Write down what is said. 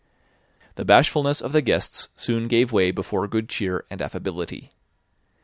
The bashfulness of the guests soon gave way before good cheer and affability.